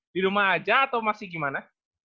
di rumah aja atau masih gimana